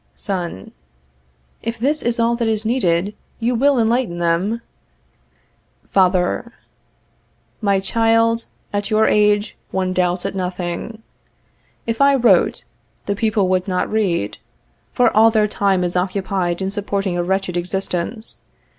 Son. If this is all that is needed, you will enlighten them. Father. My child, at your age, one doubts at nothing. If I wrote, the people would not read; for all their time is occupied in supporting a wretched existence.